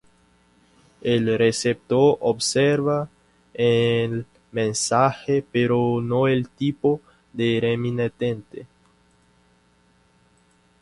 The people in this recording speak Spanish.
El receptor observa el mensaje pero no el tipo de remitente.